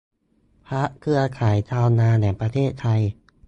พรรคเครือข่ายชาวนาแห่งประเทศไทย